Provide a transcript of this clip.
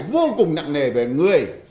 vô cùng nặng nề về người